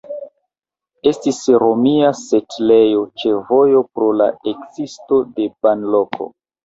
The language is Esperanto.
Estis romia setlejo ĉe vojo pro la ekzisto de banloko.